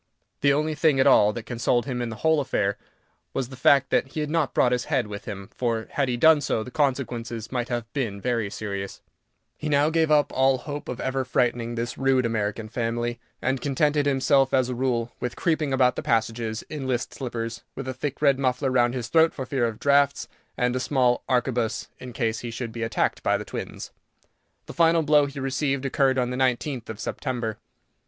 The only thing that at all consoled him in the whole affair was the fact that he had not brought his head with him, for, had he done so, the consequences might have been very serious. [Illustration: "MAKING SATIRICAL REMARKS ON THE PHOTOGRAPHS"] He now gave up all hope of ever frightening this rude American family, and contented himself, as a rule, with creeping about the passages in list slippers, with a thick red muffler round his throat for fear of draughts, and a small arquebuse, in case he should be attacked by the twins. The final blow he received occurred on the 19th of September.